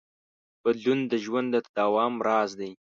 بدلون د ژوند د تداوم راز دی.